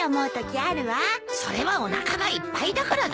それはおなかがいっぱいだからだよ。